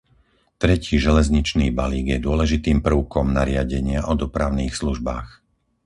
Tretí železničný balík je dôležitým prvkom nariadenia o dopravných službách.